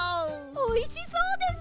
おいしそうです！